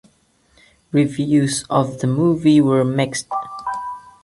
Reviews of the movie were mixed.